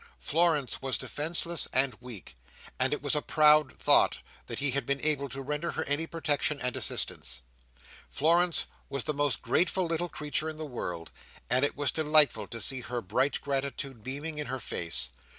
Florence was defenceless and weak, and it was a proud thought that he had been able to render her any protection and assistance. Florence was the most grateful little creature in the world, and it was delightful to see her bright gratitude beaming in her face.